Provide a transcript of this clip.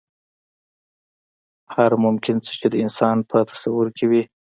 هر ممکن څه چې د انسان په تصور کې وي.